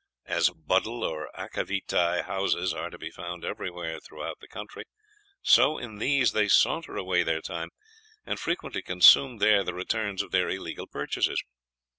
As buddel or aquavitae houses are to be found everywhere through the country, so in these they saunter away their time, and frequently consume there the returns of their illegal purchases.